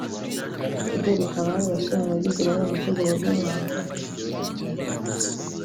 Ambasaderi Kabale yashimye abagize uruhare mu itegurwa ry’uyu muhango barimo Umuyobozi w’Umujyi wa Paris